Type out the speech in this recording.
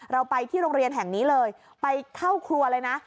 เราไปที่โรงเรียนแห่งนี้เลยไปเข้าครัวเลยนะ